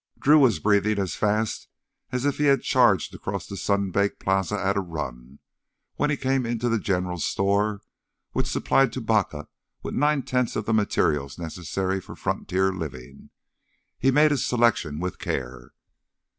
Drew was breathing as fast as if he had charged across the sun baked plaza at a run, when he came into the general store which supplied Tubacca with nine tenths of the materials necessary for frontier living. He made his selection with care.